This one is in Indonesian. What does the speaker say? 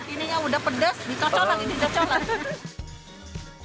ini udah pedas ditocot lagi ditocot lagi